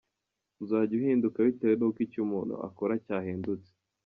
Uzajya uhinduka bitewe n’uko icyo umuntu akora cyahindutse”.